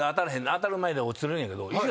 当たる前には落ちてるんやけど。